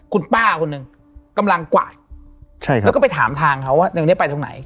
คุณป้าคนหนึ่งกำลังกวาดใช่ครับแล้วก็ไปถามทางเขาว่าในวันนี้ไปตรงไหน